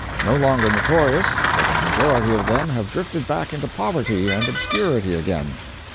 No longer notorious, for the majority of them have drifted back into poverty and obscurity again.